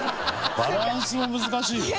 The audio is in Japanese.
バランスも難しいよね。